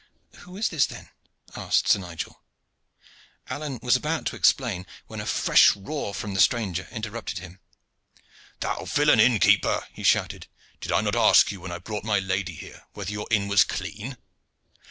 "Who is this, then?" asked Sir Nigel. Alleyne was about to explain, when a fresh roar from the stranger interrupted him. "Thou villain inn keeper," he shouted, "did I not ask you when I brought my lady here whether your inn was clean?"